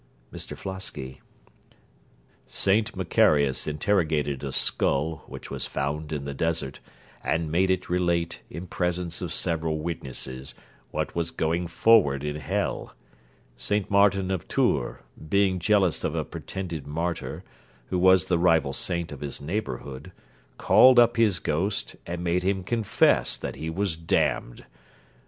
MR FLOSKY Saint Macarius interrogated a skull, which was found in the desert, and made it relate, in presence of several witnesses, what was going forward in hell. Saint Martin of Tours, being jealous of a pretended martyr, who was the rival saint of his neighbourhood, called up his ghost, and made him confess that he was damned.